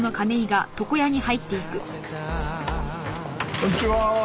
こんにちは。